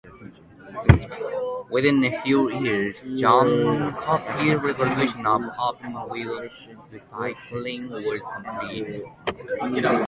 Within a few years, John Cooper's revolution of open-wheeled racing was complete.